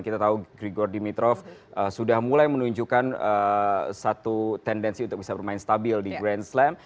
kita tahu gregor di mitrov sudah mulai menunjukkan satu tendensi untuk bisa bermain stabil di grand slam